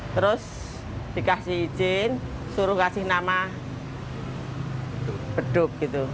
terus dikasih izin suruh kasih nama beduk gitu